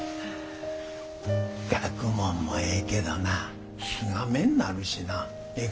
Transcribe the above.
学問もええけどなすがめになるしなええ